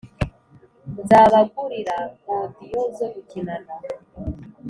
nzaba gurira godiyo zo gukinana